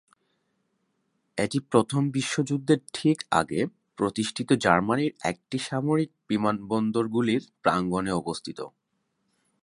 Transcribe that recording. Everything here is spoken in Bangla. এটি প্রথম বিশ্বযুদ্ধের ঠিক আগে প্রতিষ্ঠিত জার্মানির প্রথম সামরিক বিমানবন্দরগুলির প্রাঙ্গনে অবস্থিত।